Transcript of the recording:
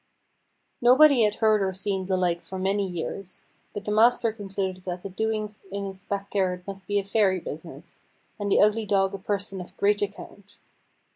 Nobody had heard or seen the like for many years; but the master concluded that the doings in his back garret must be a Fairy business, and the ugly dog a person of great account.